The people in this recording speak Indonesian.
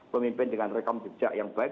pemimpin dengan rekam jejak yang baik